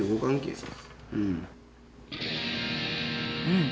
うん。